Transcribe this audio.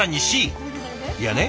いやね